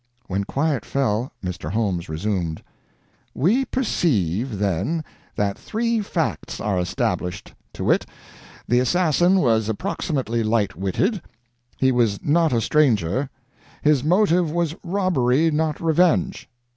When quiet fell, Mr. Holmes resumed: "We perceive, then, that three facts are established, to wit: the assassin was approximately light witted; he was not a stranger; his motive was robbery, not revenge.